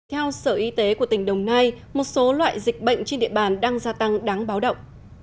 theo sở y tế của tỉnh đồng nai một số loại dịch bệnh trên địa bàn đang gia tăng đáng báo động